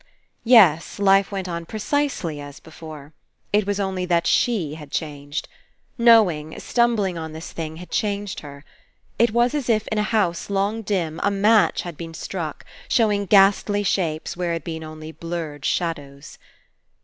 ..." Yes, life went on precisely as before. It was only she that had changed. Knowing, stumbling on this thing, had changed her. It was as If In a house long dim, a match had been struck, showing ghastly shapes where had been only blurred shadows.